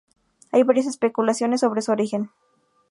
Hay varias especulaciones sobre su origen.